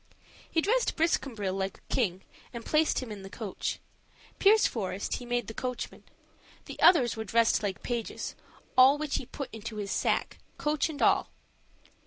He dressed Briscambril like a king and placed him in the coach; Pierceforest he made the coachman; the others were dressed like pages; all which he put into his sack, coach and all.